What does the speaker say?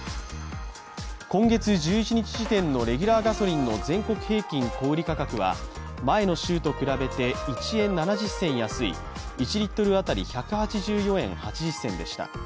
今月１１日時点のレギュラーガソリンの全国平均小売価格は前の週と比べて１円７０銭安い１リットル当たり１８４円８０銭でした。